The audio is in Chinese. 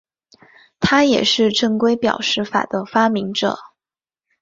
他也是正规表示法的发明者。